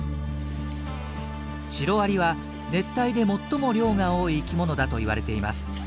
シロアリは熱帯で最も量が多い生きものだと言われています。